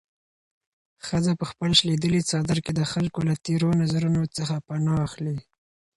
ښځه په خپل شلېدلي څادر کې د خلکو له تېرو نظرونو څخه پناه اخلي.